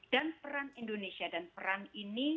dan peran indonesia dan peran ini